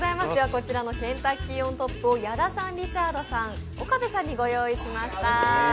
こちらのケンタッキーＯｎＴｏｐを矢田さん、リチャードさん岡部さんにご用意しました。